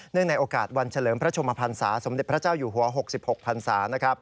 ในโอกาสวันเฉลิมพระชมพันศาสมเด็จพระเจ้าอยู่หัว๖๖พันศา